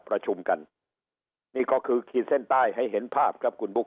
ประชุมกันนี่ก็คือขีดเส้นใต้ให้เห็นภาพครับคุณบุ๊